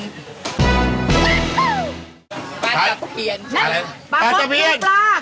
ใช่ปลาก็กเถิเตอร์ใช่อะไรน่ะปลาครับเที่ยวปลา